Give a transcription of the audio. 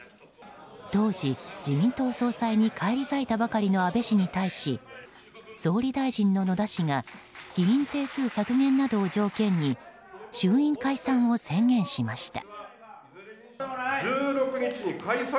当時、自民党総裁に返り咲いたばかりの安倍氏に対し総理大臣の野田氏が議員定数削減などを条件に衆院解散を宣言しました。